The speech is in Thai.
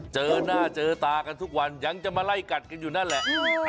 เจอหน้าเจอตากันทุกวันยังจะมาไล่กัดกันอยู่นั่นแหละ